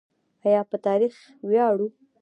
آیا په تاریخ ویاړو؟